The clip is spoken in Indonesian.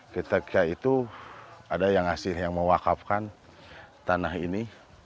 kita kira itu ada yang hasil yang mewakafkan tanah ini